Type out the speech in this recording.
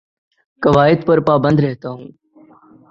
قوائد پر پابند رہتا ہوں